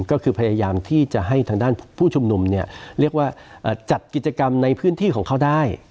ก็คือพยายามที่จะให้ทางด้านผู้ชุมนุมเนี่ยเรียกว่าจัดกิจกรรมในพื้นที่ของเขาได้